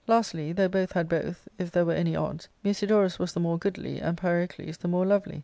Lastly, though both had both,t if there were any odds, Musidorus was the more goodly, and Pyrocles the more lovely.